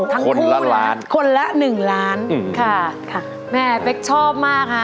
คนละล้านคนละหนึ่งล้านค่ะแม่เป็กชอบมากค่ะ